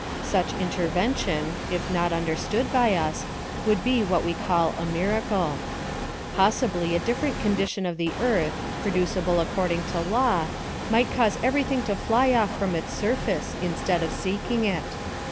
Such intervention, if not understood by us, would be what we call a miracle. Possibly a different condition of the earth, producible according to law, might cause everything to fly off from its surface instead of seeking it.